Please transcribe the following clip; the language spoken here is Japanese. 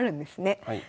はい。